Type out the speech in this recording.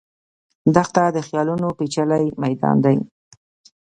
دښته د خیالونو پېچلی میدان دی.